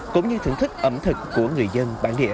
cũng như thưởng thức ẩm thực của người dân bản địa